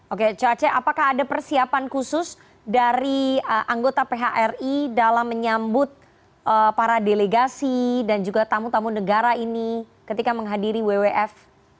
oke coace apakah ada persiapan khusus dari anggota phri dalam menyambut para delegasi dan juga tamu tamu negara ini ketika menghadiri wwf